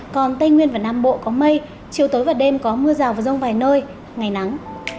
còn tây nguyên và nam bộ có mây chiều tối và đêm có mưa rào và rông vài nơi ngày nắng